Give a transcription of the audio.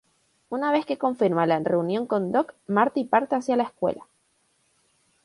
Una vez que confirma la reunión con Doc, Marty parte hacia la escuela.